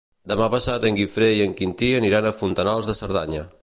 Demà passat en Guifré i en Quintí aniran a Fontanals de Cerdanya.